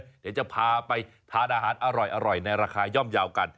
เดี๋ยวจะพาไปทานอาหารอร่อยในราคาย่อมเยาว์กัน